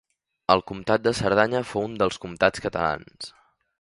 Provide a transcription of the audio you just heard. El Comtat de Cerdanya fou un dels comtats catalans.